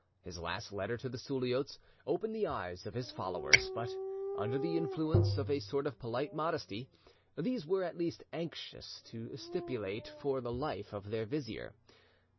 His last letter to the Suliots opened the eyes of his followers, but under the influence of a sort of polite modesty these were at least anxious to stipulate for the life of their vizier.